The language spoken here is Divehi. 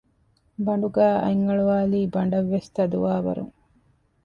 ބަނޑުގައި އަތް އަޅުވާލީ ބަނޑަށްވެސް ތަދުވާ ވަރުން